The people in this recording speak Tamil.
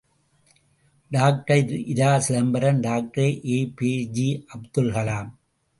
Doctor R. Chidambaram, doctor ஏபிஜே.அப்துல்கலாம்.